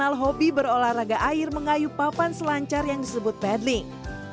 dia juga mengenal hobi berolahraga air mengayu papan selancar yang disebut paddling